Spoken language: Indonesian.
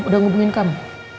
udah ngubungin kamu